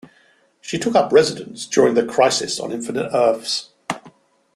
She took up residence during the Crisis on Infinite Earths.